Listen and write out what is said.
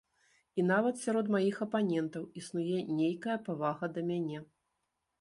І нават сярод маіх апанентаў існуе нейкая павага да мяне.